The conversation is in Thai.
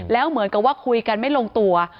แล้วเหมือนกับว่าคุยกันไม่ลงตัว